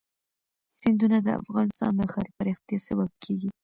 سیندونه د افغانستان د ښاري پراختیا سبب کېږي.